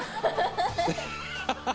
ハハハハ！